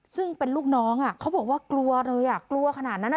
ซึ่งเป็นลูกน้องเขาบอกว่ากลัวเลยอ่ะกลัวขนาดนั้น